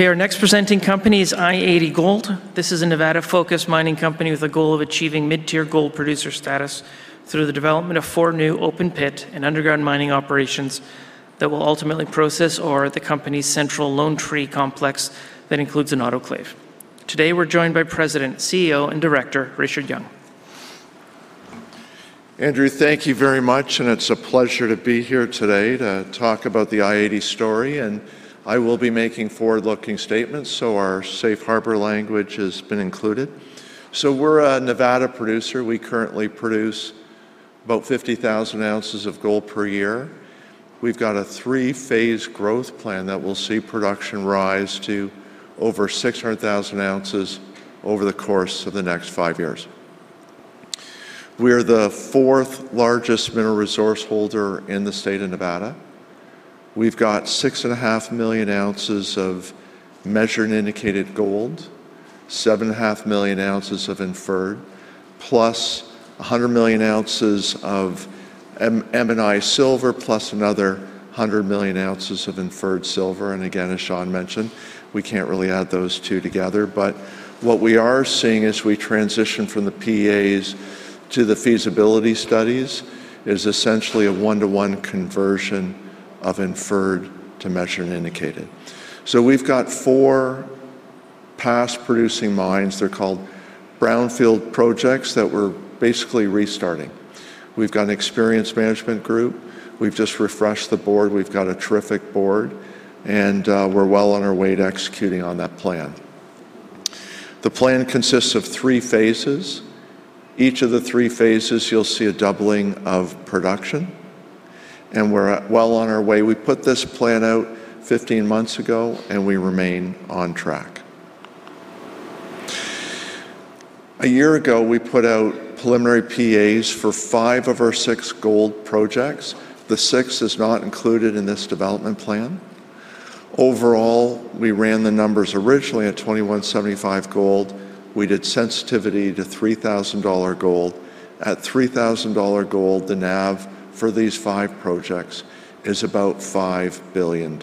Our next presenting company is i-80 Gold. This is a Nevada-focused mining company with a goal of achieving mid-tier gold producer status through the development of four new open pit and underground mining operations that will ultimately process ore at the company's central Lone Tree Complex that includes an autoclave. Today, we're joined by President, CEO, and Director, Richard Young. Andrew, thank you very much. It's a pleasure to be here today to talk about the i-80 story. I will be making forward-looking statements. Our safe harbor language has been included. We're a Nevada producer. We currently produce about 50,000 oz of gold per year. We've got a three-phase growth plan that will see production rise to over 600,000 oz over the course of the next five years. We are the fourth-largest mineral resource holder in the state of Nevada. We've got 6.5 million oz of measured and indicated gold, 7.5 million oz of inferred, +100 million oz of M&I silver, plus another 100 million ounces of inferred silver. Again, as Sean mentioned, we can't really add those two together. What we are seeing as we transition from the PAs to the feasibility studies is essentially a one-to-one conversion of inferred to measured and indicated. We've got four past-producing mines, they're called brownfield projects, that we're basically restarting. We've got an experienced management group. We've just refreshed the board. We've got a terrific board, and we're well on our way to executing on that plan. The plan consists of three phases. Each of the three phases, you'll see a doubling of production, and we're well on our way. We put this plan out 15 months ago, and we remain on track. A year ago, we put out preliminary PAs for five of our six gold projects. The sixth is not included in this development plan. Overall, we ran the numbers originally at $2,175 gold. We did sensitivity to $3,000 gold. At $3,000 gold, the NAV for these five projects is about $5 billion.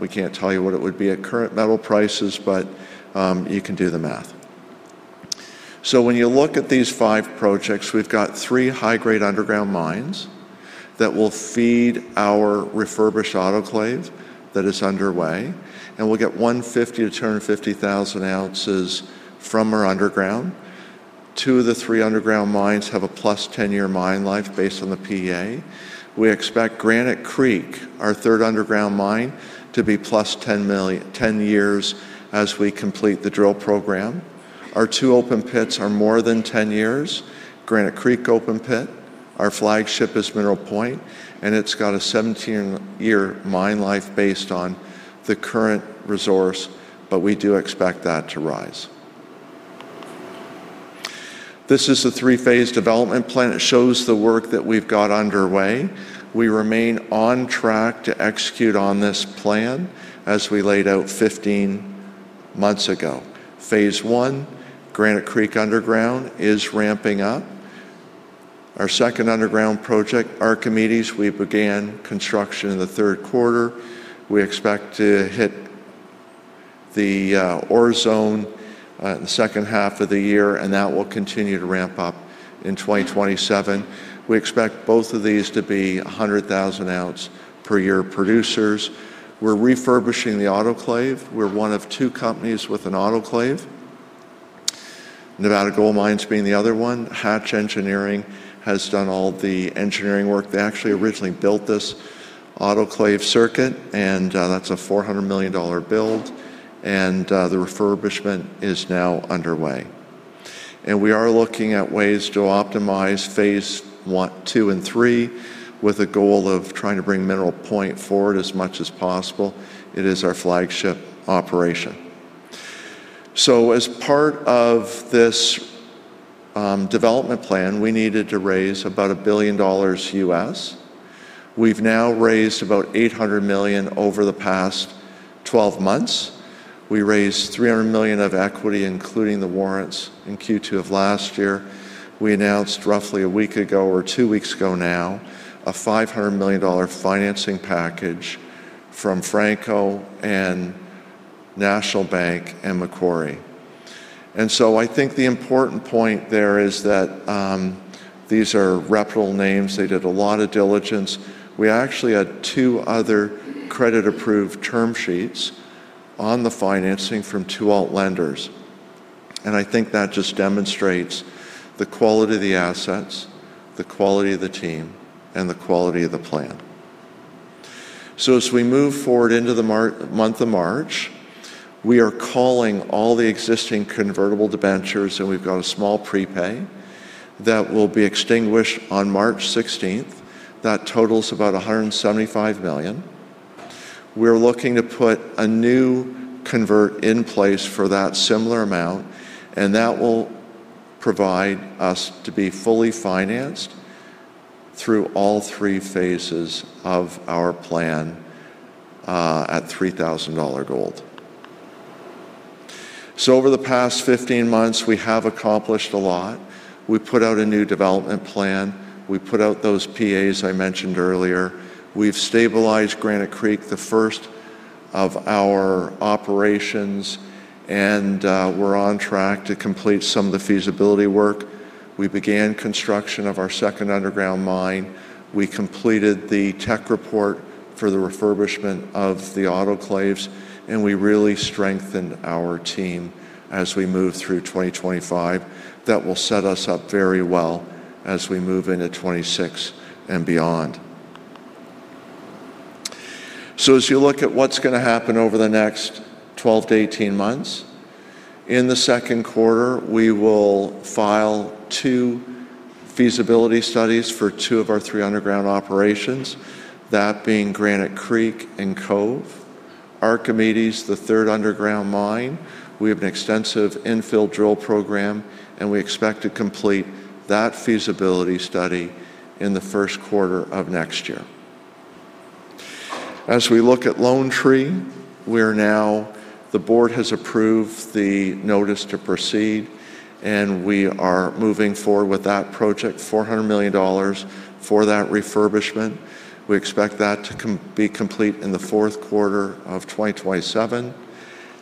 We can't tell you what it would be at current metal prices, but you can do the math. When you look at these five projects, we've got three high-grade underground mines that will feed our refurbished autoclave that is underway, and we'll get 150,000-250,000 oz from our underground. Two of the three underground mines have a +10-year mine life based on the PA. We expect Granite Creek, our third underground mine, to be +10 years as we complete the drill program. Our two open pits are more than 10 years. Granite Creek open pit, our flagship, is Mineral Point, and it's got a 17-year mine life based on the current resource, but we do expect that to rise. This is a three-phase development plan. It shows the work that we've got underway. We remain on track to execute on this plan as we laid out 15 months ago. Phase one, Granite Creek Underground, is ramping up. Our second underground project, Archimedes, we began construction in the third quarter. We expect to hit the ore zone in the second half of the year, and that will continue to ramp up in 2027. We expect both of these to be 100,000 oz per year producers. We're refurbishing the autoclave. We're one of two companies with an autoclave, Nevada Gold Mines being the other one. Hatch Engineering has done all the engineering work. They actually originally built this autoclave circuit, and that's a $400 million build, and the refurbishment is now underway. We are looking at ways to optimize phase one, two, and three, with a goal of trying to bring Mineral Point forward as much as possible. It is our flagship operation. As part of this development plan, we needed to raise about $1 billion. We've now raised about $800 million over the past 12 months. We raised $300 million of equity, including the warrants, in Q2 of last year. We announced roughly one week ago or two weeks ago now, a $500 million financing package from Franco and National Bank and Macquarie. I think the important point there is that these are reputable names. They did a lot of diligence. We actually had two other credit-approved term sheets on the financing from two alt lenders, and I think that just demonstrates the quality of the assets, the quality of the team, and the quality of the plan. As we move forward into the month of March, we are calling all the existing convertible debentures, and we've got a small prepay that will be extinguished on March 16th. That totals about $175 million. We're looking to put a new convert in place for that similar amount, and that will provide us to be fully financed through all three phases of our plan at $3,000 gold. Over the past 15 months, we have accomplished a lot. We put out a new development plan. We put out those PAs I mentioned earlier. We've stabilized Granite Creek, the first of our operations, and we're on track to complete some of the feasibility work. We began construction of our second underground mine. We completed the tech report for the refurbishment of the autoclaves, and we really strengthened our team as we moved through 2025. That will set us up very well as we move into 2026 and beyond. As you look at what's gonna happen over the next 12-18 months, in the second quarter, we will file two feasibility studies for two of our three underground operations, that being Granite Creek and Cove. Archimedes, the third underground mine, we have an extensive infill drill program, and we expect to complete that feasibility study in the first quarter of next year. As we look at Lone Tree, we're the board has approved the notice to proceed, and we are moving forward with that project, $400 million for that refurbishment. We expect that to be complete in the fourth quarter of 2027,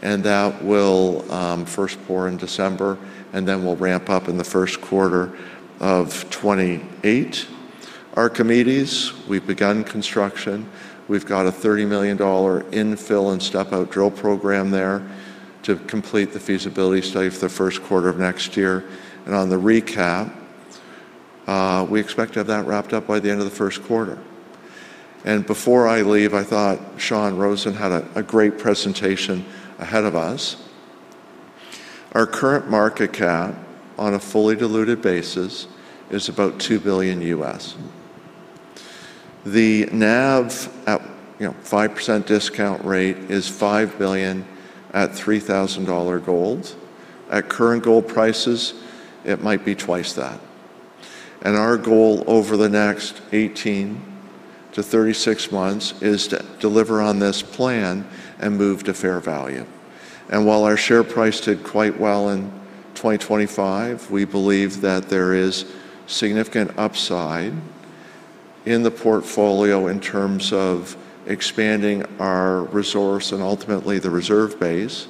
and that will first pour in December, and then we'll ramp up in the first quarter of 2028. Archimedes, we've begun construction. We've got a $30 million infill and step-out drill program there to complete the feasibility study for the first quarter of next year. On the recap, we expect to have that wrapped up by the end of the first quarter. Before I leave, I thought Sean Roosen had a great presentation ahead of us. Our current market cap, on a fully diluted basis, is about $2 billion. The NAV at, you know, 5% discount rate is $5 billion at $3,000 gold. At current gold prices, it might be twice that. Our goal over the next 18-36 months is to deliver on this plan and move to fair value. While our share price did quite well in 2025, we believe that there is significant upside in the portfolio in terms of expanding our resource and ultimately the reserve base,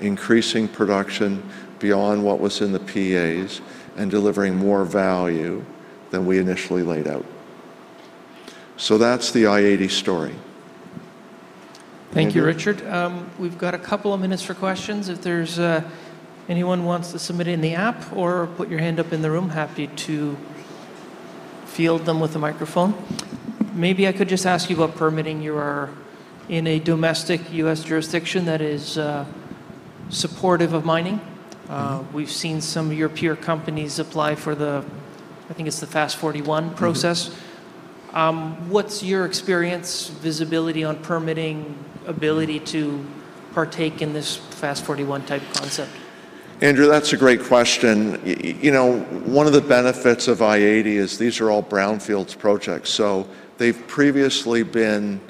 increasing production beyond what was in the PAs, and delivering more value than we initially laid out. That's the i-80 story. Thank you, Richard. We've got a couple of minutes for questions. If there's anyone wants to submit it in the app or put your hand up in the room, happy to field them with a microphone. Maybe I could just ask you about permitting. You are in a domestic U.S. jurisdiction that is supportive of mining. Mm-hmm. We've seen some of your peer companies apply for the, I think it's the FAST-41 process. Mm-hmm. What's your experience, visibility on permitting, ability to partake in this FAST-41 type concept? Andrew, that's a great question. you know, one of the benefits of i-80 Gold is these are all brownfield projects, so they've previously been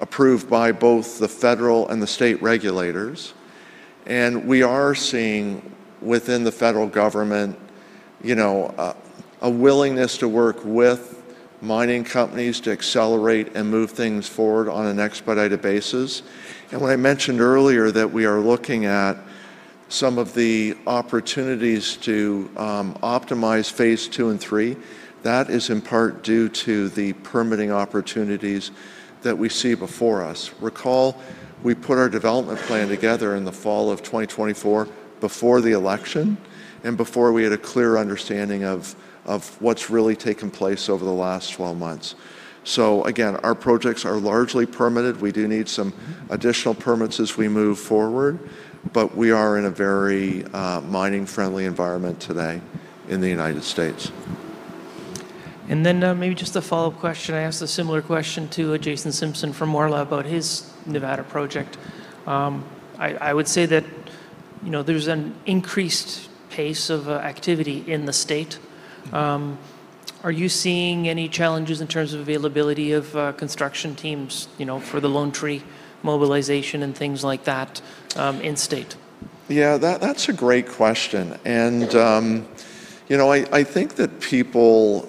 approved by both the federal and the state regulators, we are seeing within the federal government, you know, a willingness to work with mining companies to accelerate and move things forward on an expedited basis. When I mentioned earlier that we are looking at some of the opportunities to optimize phase two and three, that is in part due to the permitting opportunities that we see before us. Recall, we put our development plan together in the fall of 2024, before the election and before we had a clear understanding of what's really taken place over the last 12 months. Again, our projects are largely permitted. We do need some additional permits as we move forward, but we are in a very, mining-friendly environment today in the United States. Maybe just a follow-up question. I asked a similar question to Jason Simpson from Orla about his Nevada project. I would say that, you know, there's an increased pace of activity in the state. Mm-hmm. Are you seeing any challenges in terms of availability of construction teams for the Lone Tree mobilization and things like that, in-state? That's a great question. You know, I think that people.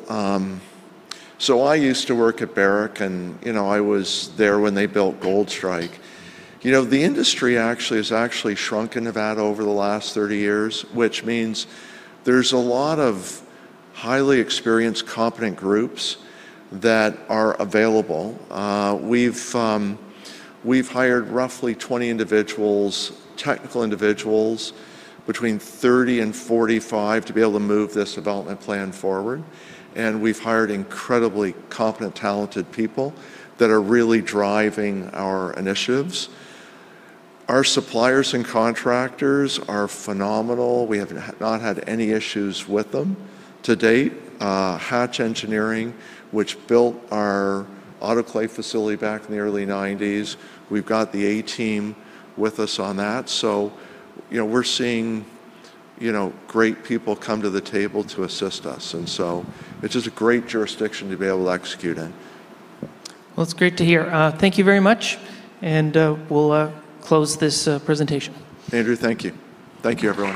I used to work at Barrick. You know, I was there when they built Goldstrike. The industry actually shrunk in Nevada over the last 30 years, which means there's a lot of highly experienced, competent groups that are available. We've hired roughly 20 individuals, technical individuals, between 30 and 45, to be able to move this development plan forward. We've hired incredibly competent, talented people that are really driving our initiatives. Our suppliers and contractors are phenomenal. We have not had any issues with them to date. Hatch Engineering, which built our autoclave facility back in the early 90s, we've got the A team with us on that. You know, we're seeing, you know, great people come to the table to assist us, and so it's just a great jurisdiction to be able to execute in. Well, it's great to hear. Thank you very much, and we'll close this presentation. Andrew, thank you. Thank you, everyone.